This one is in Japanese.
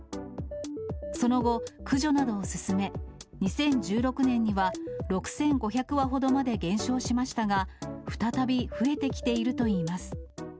その後、駆除などを進め、２０１６年には６５００羽ほどまで減少しましたが、再び増えてきているといいます。